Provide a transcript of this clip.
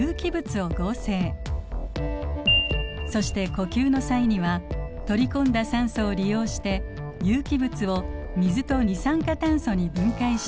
そして呼吸の際には取り込んだ酸素を利用して有機物を水と二酸化炭素に分解しています。